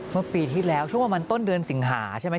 เมื่อปีที่แล้วช่วงประมาณต้นเดือนสิงหาใช่ไหม